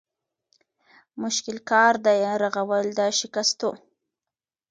مشکل کار دی رغول د شکستو